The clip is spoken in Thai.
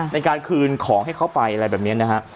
ในการคืนของให้เขาไปอะไรแบบนี้นะฮะ